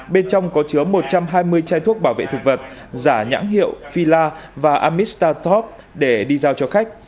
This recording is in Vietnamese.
bên trong có chứa một trăm hai mươi chai thuốc bảo vệ thực vật giả nhãn hiệu filla và amistatop để đi giao cho khách